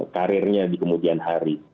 karirnya di kemudian hari